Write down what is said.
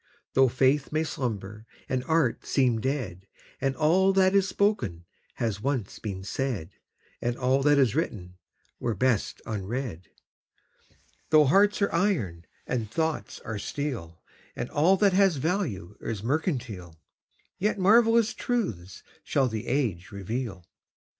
Though faith may slumber and art seem dead, And all that is spoken has once been said, And all that is written were best unread; Though hearts are iron and thoughts are steel, And all that has value is mercantile, Yet marvellous truths shall the age reveal.